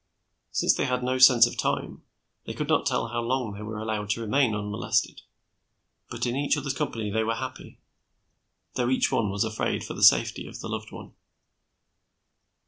Since they had no sense of time, they could not tell how long they were allowed to remain unmolested. But in each other's company they were happy, though each one was afraid for the safety of the loved one.